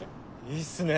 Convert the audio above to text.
いいっすね